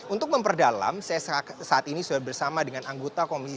untuk memperdalam saya saat ini sudah bersama dengan anggota